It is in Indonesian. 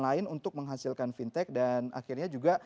lain untuk menghasilkan fintech dan akhirnya juga